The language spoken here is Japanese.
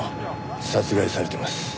殺害されてます。